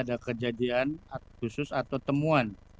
ada kejadian khusus atau temuan